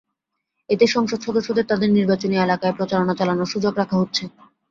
এতে সংসদ সদস্যদের তাঁদের নির্বাচনী এলাকায় প্রচারণা চালানোর সুযোগ রাখা হচ্ছে।